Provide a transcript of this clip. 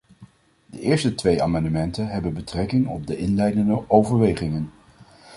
De eerste twee amendementen hebben betrekking op de inleidende overwegingen.